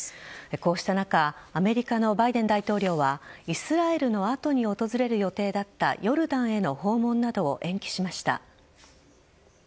こうした中アメリカのバイデン大統領はイスラエルの後に訪れる予定だったヨルダンへの訪問などを延期しました。